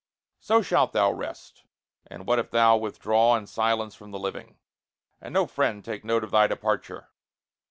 So shalt thou rest; and what if thou withdraw In silence from the living, and no friend Take note of thy departure?